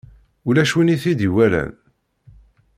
Ulac win i t-id-iwalan.